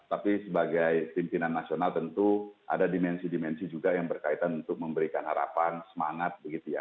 tapi sebagai pimpinan nasional tentu ada dimensi dimensi juga yang berkaitan untuk memberikan harapan semangat begitu ya